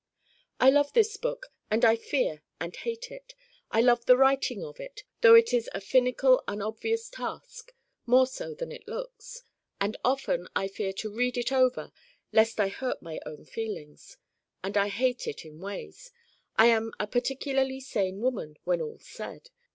I love this book and I fear and hate it. I love the writing of it though it is a finical unobvious task more so than it looks. And often I fear to read it over lest I hurt my own feelings. And I hate it in ways. I am a particularly sane woman when all's said.